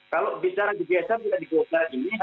kalau bicara digeser juga di proble rate ini